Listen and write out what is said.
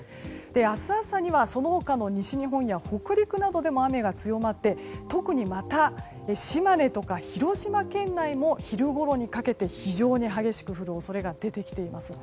明日朝には、その他の西日本や北陸などでも雨が強まって、特にまた島根とか広島県内も昼ごろにかけて非常に激しく降る恐れが出てきています。